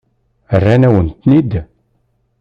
Rran-awen-ten-id.